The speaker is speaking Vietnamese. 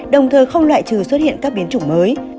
đồng thời không loại trừ xuất hiện các biến chủng mới